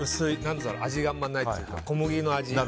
味があんまりないっていうか小麦の味。